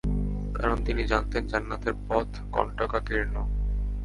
কারণ তিনি জানতেন, জান্নাতের পথ কন্টকাকীর্ণ।